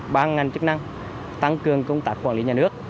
ban ngành chức năng tăng cường công tác quản lý nhà nước